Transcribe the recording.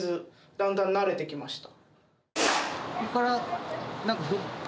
だんだん慣れてきました。